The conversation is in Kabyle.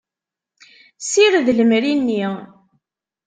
Sired lemri-nni.